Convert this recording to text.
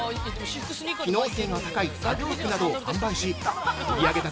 機能性の高い作業服などを販売し売上高